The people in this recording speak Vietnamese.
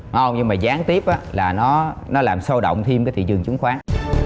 ngon nhưng mà gián tiếp là nó làm sâu động thêm cái thị trường chứng khoán